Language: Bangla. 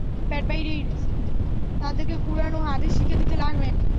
তাদেরকে কুরআন ও হাদীস শিক্ষা দিতে লাগলেন।